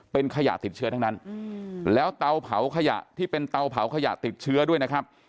เป็นขยะติดเชื้อทั้งนั้นแล้วเตาเผาขยะที่เป็นเตาเผาขยะติดเชื้อด้วยนะครับ